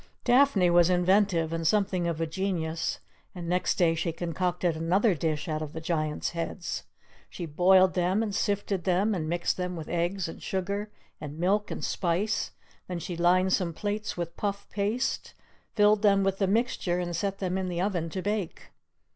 Daphne was inventive; and something of a genius; and next day she concocted another dish out of the Giant's heads. She boiled them, and sifted them, and mixed them with eggs and sugar and milk and spice; then she lined some plates with puff paste, filled them with the mixture, and set them in the oven to bake.